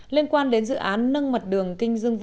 liên quan đến dự án nâng mặt đường kinh doanh